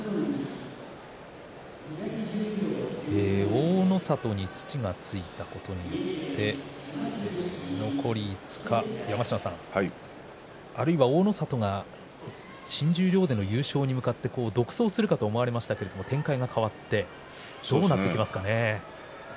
大の里に土がついたことによって残り５日、山科さんあるいは大の里が新十両での優勝に向かって独走するかと思われましたけども展開が変わりました。